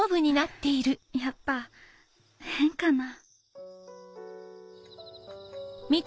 やっぱ変かな？